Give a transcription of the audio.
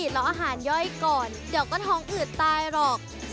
แล้วอาหารย่อยก่อนเดี๋ยวก็ท้องอืดตายหรอก